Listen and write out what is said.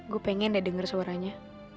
gue pengen ya denger suaranya